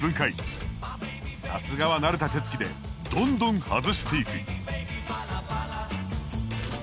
さすがは慣れた手つきでどんどん外していく。